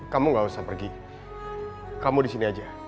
kamu gak usah pergi kamu di sini aja